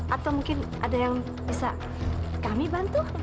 atau mungkin ada yang bisa kami bantu